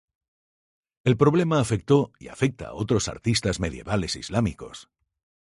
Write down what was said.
El problema afectó y afecta a otros artistas medievales islámicos.